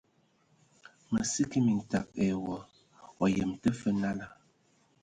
Mə sə kig mintag ai wa, wa yəm tə fə nala.